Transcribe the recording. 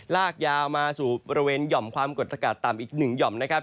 ลากยาวมาสู่บริเวณหย่อมความกดอากาศต่ำอีกหนึ่งหย่อมนะครับ